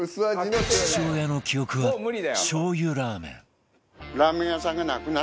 父親の記憶はしょうゆラーメン